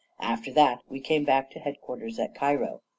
After that, we came back to headquarters at Cairo.